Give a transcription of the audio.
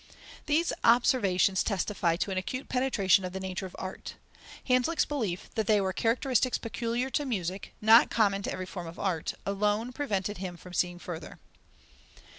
These observations testify to an acute penetration of the nature of art. Hanslick's belief that they were characteristics peculiar to music, not common to every form of art, alone prevented him from seeing further.